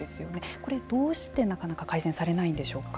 これ、どうしてなかなか改善されないんでしょうか。